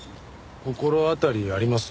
心当たりあります？